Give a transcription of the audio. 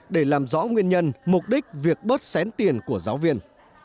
để làm rõ nguyên nhân mục đích việc bớt xén tiền của giáo viên